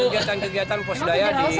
gagian gagian pos daya